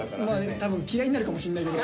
多分嫌いになるかもしんないけど。